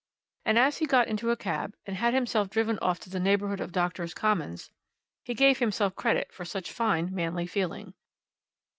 And as he got into a cab, and had himself driven off to the neighbourhood of Doctors' Commons, he gave himself credit for much fine manly feeling.